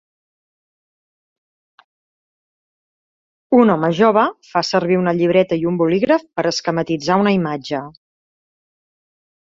Un home jove fa servir una llibreta i un bolígraf per esquematitzar una imatge.